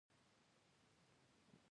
ښارونه د ځمکې د جوړښت یوه نښه ده.